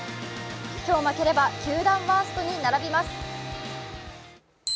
今日負ければ球団ワーストに並びます。